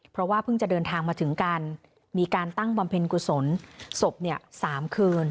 เพราะว่าเพิ่งจะเดินทางมาถึงกันมีการตั้งบำเพ็ญกุศลศพ๓คืน